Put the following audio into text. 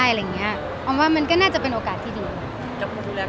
จริงที่จีนอ้อมหมดสั่งเชนะไปแล้ว